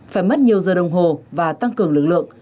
phải mất nhiều giờ đồng hồ và tăng cường lực lượng